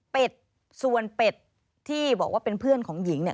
ส่วนเป็ดที่บอกว่าเป็นเพื่อนของหญิงเนี่ย